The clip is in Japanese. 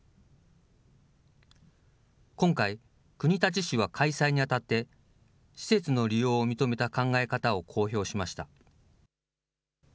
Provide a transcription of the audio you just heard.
今回、国立市は開催にあたって、施設の利用を認めた考え方を公表しました。